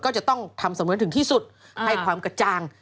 ก็จะต้องทำสำนวนถึงที่สุดให้ความกระจ่าง